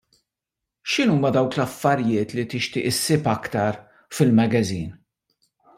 X'inhuma dawk l-affarijiet li tixtieq issib aktar fil-magażin?